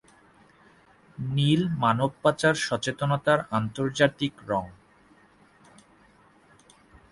নীল মানব পাচার সচেতনতার আন্তর্জাতিক রঙ।